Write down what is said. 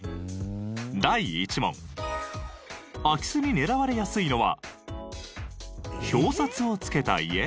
第１問空き巣に狙われやすいのは表札を付けた家？